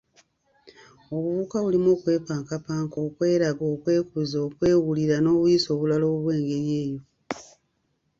Obuvubuka bulimu okwepankapanka, okweraga, okwekuza, okwewulira, n‘obuyisa obulala obw‘engeri eyo.